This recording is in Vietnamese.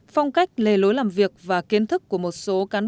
phong cách lề lối làm việc và kiến thức của một số cán bộ